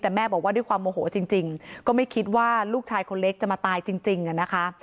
แต่แม่บอกว่าด้วยความโมโหจริงก็ไม่คิดว่าลูกชายคนเล็กจะมาตายจริงอะนะคะ